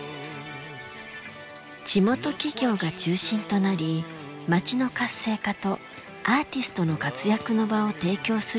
地元企業が中心となり街の活性化とアーティストの活躍の場を提供する目的で作られました。